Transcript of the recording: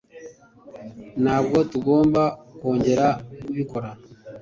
Ntabwo tugomba kongera kubikora